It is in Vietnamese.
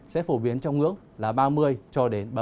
sẽ phổ biến trong ngưỡng là ba mươi cho đến ba mươi ba độ